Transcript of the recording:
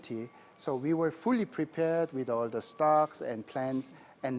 jadi kami sudah sepenuhnya siap dengan semua perusahaan dan rencana